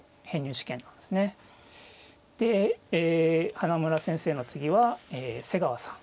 でえ花村先生の次は瀬川さん。